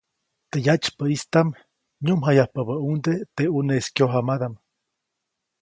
Teʼ yatsypäʼnistaʼm nyuʼmjayapabäʼuŋde teʼ ʼuneʼis kyojamadaʼm.